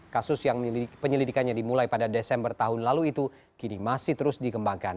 kasus yang penyelidikannya dimulai pada desember tahun lalu itu kini masih terus dikembangkan